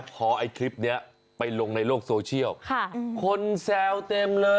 พอไอ้คลิปนี้ไปลงในโลกโซเชียลคนแซวเต็มเลย